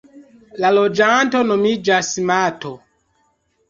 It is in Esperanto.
La loĝanto nomiĝas "mato".